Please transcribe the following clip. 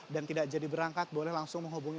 dan tidak jadi berangkat boleh langsung menghubungi